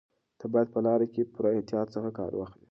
ته باید په لاره کې له پوره احتیاط څخه کار واخلې.